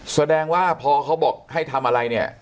แสดงว่าพอเขาบอกให้ทำอะไรเนี่ย